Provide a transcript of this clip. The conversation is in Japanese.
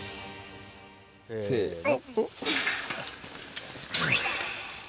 せの。